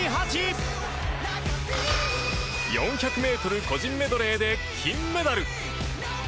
４００ｍ個人メドレーで金メダル！